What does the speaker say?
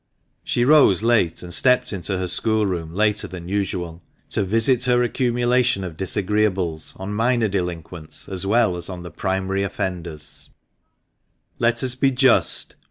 She rose late, and stepped into her schoolroom later than usual, to visit her accumulation of disagreeables on minor delinquents, as well as on the primary offenders. THE MANCHESTER MAN. 227 Let us be just.